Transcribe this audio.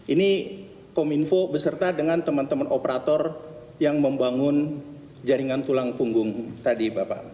ini kominfo beserta dengan teman teman operator yang membangun jaringan tulang punggung tadi bapak